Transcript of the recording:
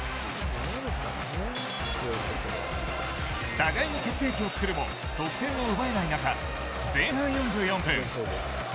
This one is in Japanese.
互いに決定機をつくるも得点を奪えない中前半４４分